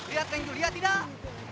lihat neng julia tidak